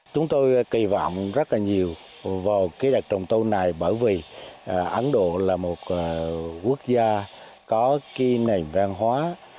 chúng tôi kỳ vọng rất là nhiều vào cái đặc trùng tu này bởi vì ấn độ là một quốc gia có cái nền văn hóa